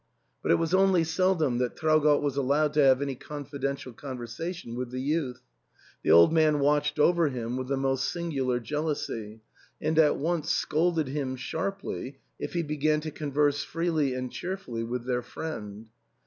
But it was only seldom that Traugott was allowed to have any confidential conversation with the youth ; the old man watched over him with the most singular jealousy, and at once scolded him sharply if he began to converse freely and cheerfully with their friend.